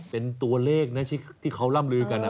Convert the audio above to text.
เป็นตัวเลขนะที่เขาร่ำลือกัน